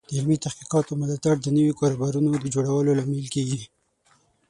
د علمي تحقیقاتو ملاتړ د نوي کاروبارونو د جوړولو لامل کیږي.